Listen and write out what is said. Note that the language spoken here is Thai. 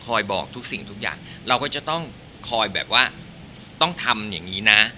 บอกทุกสิ่งทุกอย่างเราก็จะต้องคอยแบบว่าต้องทำอย่างนี้นะ